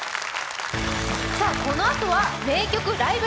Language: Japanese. このあとは「名曲ライブ！